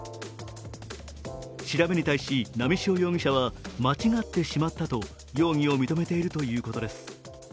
調べに対し波汐容疑者は間違ってしまったと容疑を認めているということです。